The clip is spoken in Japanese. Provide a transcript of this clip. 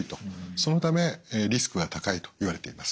そのためリスクが高いといわれています。